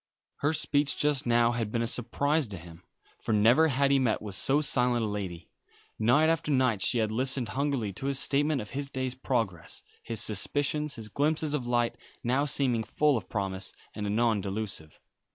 Her speech just now had been a surprise to him, for never had he met with so silent a lady. Night after night she had listened hungrily to his statement of his day's progress, his suspicions, his glimpses of light, now seeming full of promise, and anon delusive.